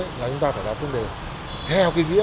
chúng ta phải đặt trong đề theo cái nghĩa là